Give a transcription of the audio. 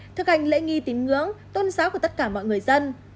thực hành lễ nghi tín ngưỡng tôn giáo của tất cả mọi người dân